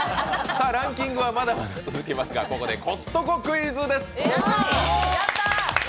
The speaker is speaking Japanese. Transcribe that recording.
ランキングはまだまだ続きますが、ここでコストコクイズです。